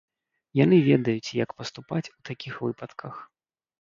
Яны ведаюць, як паступаць у такіх выпадках.